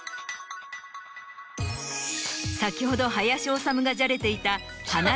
先ほど林修がじゃれていた。